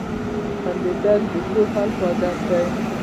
• خندېدل د ښو خلکو عادت دی.